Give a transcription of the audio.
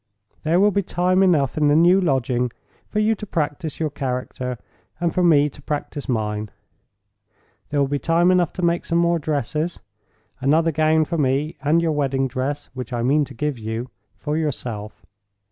There will be time enough in the new lodging for you to practice your character, and for me to practice mine. There will be time enough to make some more dresses—another gown for me, and your wedding dress (which I mean to give you) for yourself.